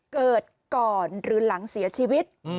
เกิดก่อนหรือหลังเสียชีวิต